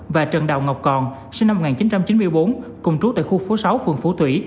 và trần đào ngọc còn sinh năm một nghìn chín trăm chín mươi bốn cùng trú tại khu phố sáu phường phú thủy